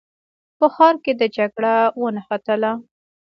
په ښار کې د جګړه ونښته.